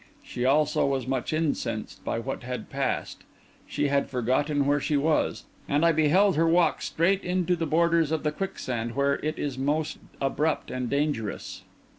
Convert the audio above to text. She also was much incensed by what had passed. She had forgotten where she was. And I beheld her walk straight into the borders of the quicksand where it is most abrupt and dangerous.